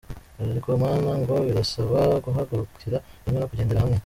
Ego mana, ngo “birasaba guhagurukira rimwe no kugendera hamwe ”